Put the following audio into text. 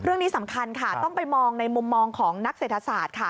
เรื่องนี้สำคัญค่ะต้องไปมองในมุมมองของนักเศรษฐศาสตร์ค่ะ